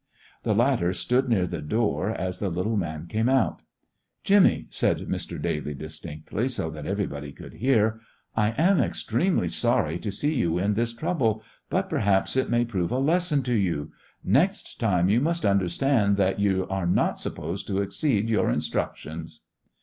The latter stood near the door as the little man came out. "Jimmy," said Mr. Daly, distinctly, so that everyone could hear, "I am extremely sorry to see you in this trouble; but perhaps it may prove a lesson to you. Next time you must understand that you are not supposed to exceed your instructions."